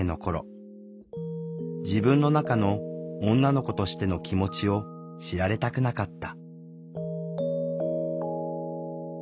自分の中の女の子としての気持ちを知られたくなかった。